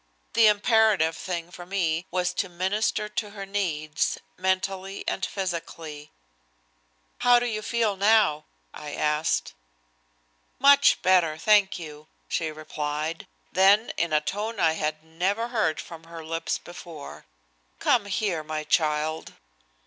The imperative thing for me was to minister to her needs, mentally and physically. "How do you feel now?" I asked. "Much better, thank you," she replied. Then in a tone I had never heard from her lips before: "Come here, my child."